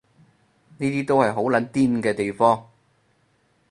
呢啲都係好撚癲嘅地方